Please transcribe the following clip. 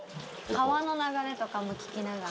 川の流れとかも聴きながら。